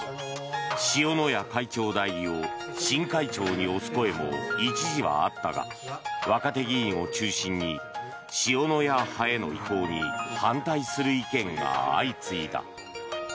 塩谷会長代理を新会長に推す声も一時はあったが若手議員を中心に塩谷派への移行に反対する意見が相次いだ。